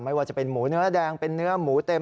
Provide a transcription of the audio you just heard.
ไม่ว่าจะเป็นหมูเนื้อแดงเป็นเนื้อหมูเต็ม